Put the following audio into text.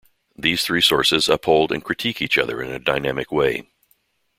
These three sources uphold and critique each other in a dynamic way.